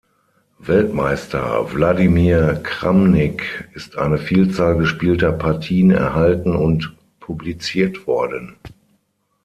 Weltmeister Wladimir Kramnik ist eine Vielzahl gespielter Partien erhalten und publiziert worden.